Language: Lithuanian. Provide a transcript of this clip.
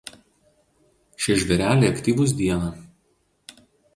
Šie žvėreliai aktyvūs dieną.